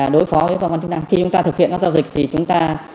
đối phó với công an chức năng khi chúng ta thực hiện các giao dịch thì chúng ta